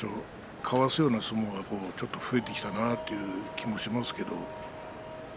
かわすような相撲がちょっと増えてきたなという気がしますけど。